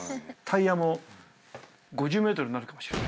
タイヤも５０ｍになるかもしれない。